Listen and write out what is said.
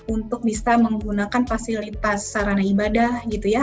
untuk bisa menggunakan fasilitas sarana ibadah gitu ya